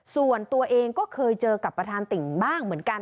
ส่วนตัวเองก็เคยเจอกับประธานติ่งบ้างเหมือนกัน